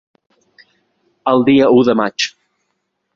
El dia u de maig.